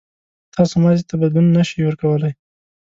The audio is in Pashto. تاسو ماضي ته بدلون نه شئ ورکولای.